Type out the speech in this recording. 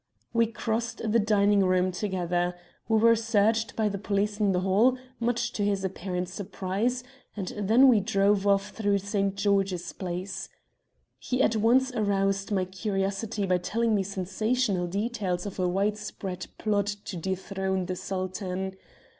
"We crossed the dining room together. We were searched by the police in the hall, much to his apparent surprise, and then we drove off through St. George's Place. "He at once aroused my curiosity by telling me sensational details of a widespread plot to dethrone the Sultan.